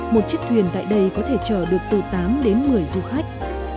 một chiếc thuyền tại đây có thể chở được từ tám đến một mươi du khách